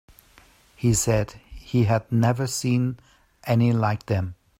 He said he had never seen any like them.